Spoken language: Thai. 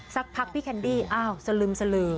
สักพักพี่แคนดี้อะเสลืม